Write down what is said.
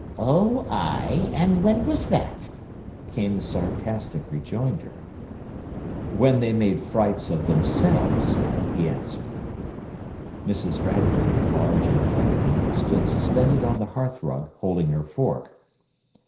"Oh, ay! and when was that?" came the sarcastic rejoinder. "When they made frights of themselves," he answered. Mrs. Radford, large and threatening, stood suspended on the hearthrug, holding her fork.